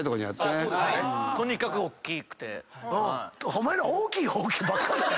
お前ら大きい大きいばっかり。